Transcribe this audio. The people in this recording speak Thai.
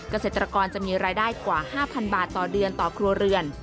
เกษตรกรจะมีรายได้กว่า๕๐๐บาทต่อเดือนต่อครัวเรือน